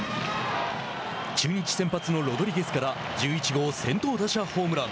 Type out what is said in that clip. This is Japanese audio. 中日先発のロドリゲスから１１号先頭打者ホームラン。